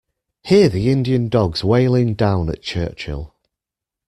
Hear the Indian dogs wailing down at Churchill.